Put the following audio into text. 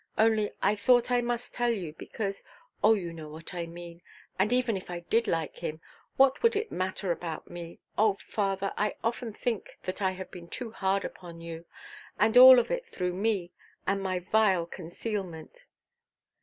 Only I thought I must tell you, because—oh, you know what I mean. And even if I did like him, what would it matter about me? Oh, father, I often think that I have been too hard upon you, and all of it through me, and my vile concealment!"